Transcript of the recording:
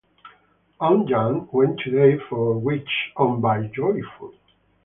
Aunt Janet went today; for which, oh, be joyful!